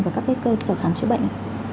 và các cái cơ sở khám chữa bệnh